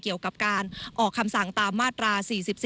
เกี่ยวกับการออกคำสั่งตามมาตรา๔๔